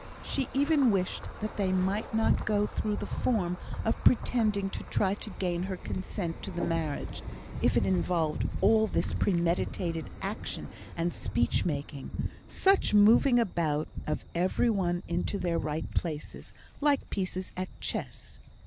She even wished that they might not go through the form of pretending to try to gain her consent to the marriage, if it involved all this premeditated action and speech making such moving about of every one into their right places, like pieces at chess.